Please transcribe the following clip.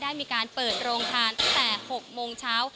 ได้มีการเปิดโรงทานตั้งแต่๖โมงเช้า